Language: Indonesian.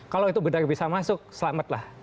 kalau itu benar bisa masuk selamat lah